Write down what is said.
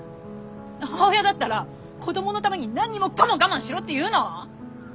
母親だったら子供のために何もかも我慢しろっていうの？